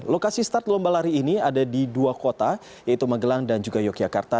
lokasi start lomba lari ini ada di dua kota yaitu magelang dan juga yogyakarta